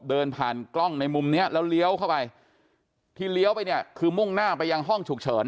เดินผ่านกล้องในมุมเนี้ยแล้วเลี้ยวเข้าไปที่เลี้ยวไปเนี่ยคือมุ่งหน้าไปยังห้องฉุกเฉิน